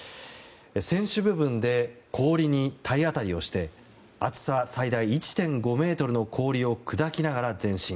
船首部分で氷に体当たりをして厚さ最大１．５ｍの氷を砕きながら前進。